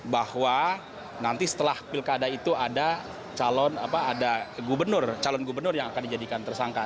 bahwa nanti setelah pilkada itu ada calon gubernur yang akan dijadikan tersangka